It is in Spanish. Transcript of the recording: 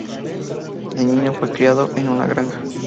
De niño fue criado en una granja.